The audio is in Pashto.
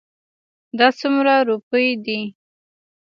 دا څومره روپی دي؟